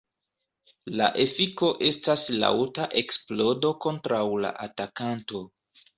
La efiko estas laŭta eksplodo kontraŭ la atakanto.